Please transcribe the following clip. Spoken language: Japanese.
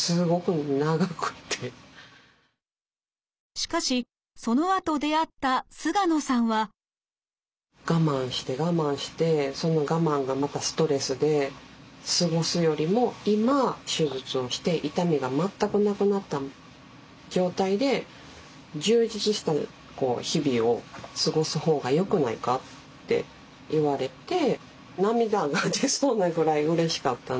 しかしそのあと出会った菅野さんは。我慢して我慢してその我慢がまたストレスで過ごすよりも今手術をして痛みが全くなくなった状態で充実した日々を過ごす方がよくないか？って言われて涙が出そうなぐらいうれしかったんで。